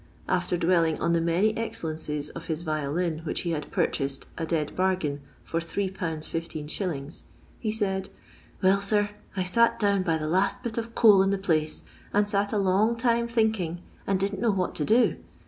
After dwelling on tlie many excellences of his violin, which he had purchased, "a dead bar gain," for 3/. 15j»., he said :" Well, sir, I sntdown by the last bit of coal in the place, and sat a long time thinking, and di<)n't kn >w w hat to do.